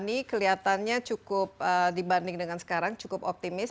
ini kelihatannya cukup dibanding dengan sekarang cukup optimis